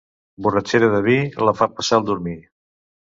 Borratxera de vi, la fa passar el dormir.